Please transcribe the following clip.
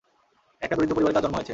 একটা দরিদ্র পরিবারে তার জন্ম হয়েছে।